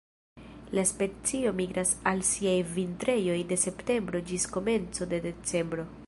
La specio migras al siaj vintrejoj de septembro ĝis komenco de decembro.